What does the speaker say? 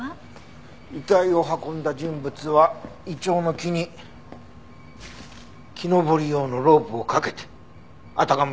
遺体を運んだ人物はイチョウの木に木登り用のロープをかけてあたかも